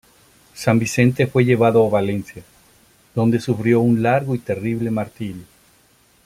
San Vicente fue llevado a Valencia, donde sufrió un largo y terrible martirio.